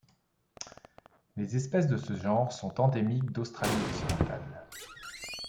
Les espèces de ce genre sont endémiques d'Australie-Occidentale.